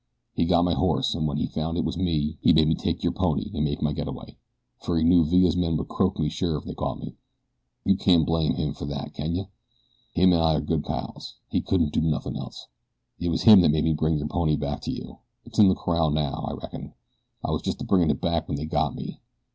He got my horse, an' when he found it was me, he made me take your pony an' make my get away, fer he knew Villa's men would croak me sure if they caught me. You can't blame him fer that, can you? Him an' I were good pals he couldn't do nothin' else. It was him that made me bring your pony back to you. It's in the corral now, I reckon. I was a bringin' it back when they got me.